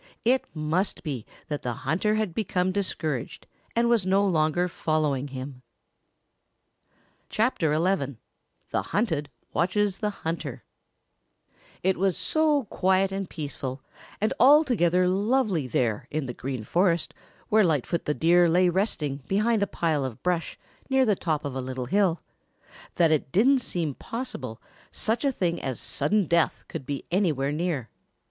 It must be that that hunter had become discouraged and was no longer following him. CHAPTER XI THE HUNTED WATCHES THE HUNTER It was so quiet and peaceful and altogether lovely there in the Green Forest, where Lightfoot the Deer lay resting behind a pile of brush near the top of a little hill, that it didn't seem possible such a thing as sudden death could be anywhere near.